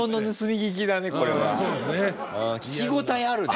聞き応えあるね！